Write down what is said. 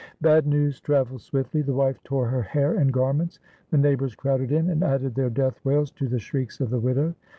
Bad news travels swiftly. The wife tore her hair and garments. The neighbors crowded in, and added their death wails to the shrieks of the widow.